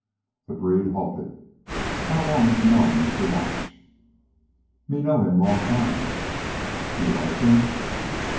The breed halted. "How long have you known Mr. Marsh?" "Me know him long time." "Do you like him?"